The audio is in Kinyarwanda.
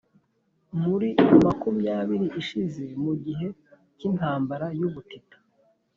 muri makumyabiri ishize mu gihe cy’intambara y'ubutita